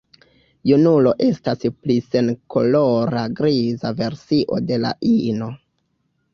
Junulo estas pli senkolora griza versio de la ino.